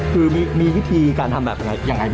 คือมีวิธีการทำแบบยังไงบ้าง